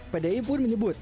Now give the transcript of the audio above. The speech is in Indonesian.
pdei pun menyebut